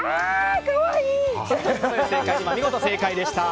２番、見事正解でした。